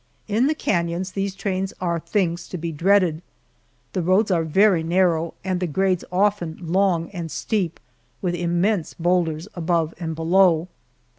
In the canons these trains are things to be dreaded. The roads are very narrow and the grades often long and steep, with immense boulders above and below.